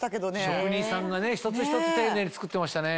職人さんがね一つ一つ丁寧に作ってましたね。